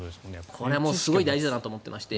これ、すごい大事だなと思っていまして